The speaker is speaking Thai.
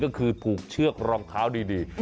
ก็คือผูกเชือกรองเท้าดี